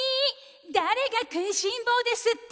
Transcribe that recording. だれがくいしんぼうですって？